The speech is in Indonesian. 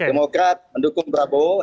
demokrat mendukung prabowo